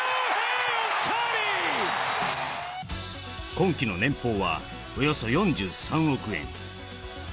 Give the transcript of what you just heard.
今季の年俸は、およそ４３億円。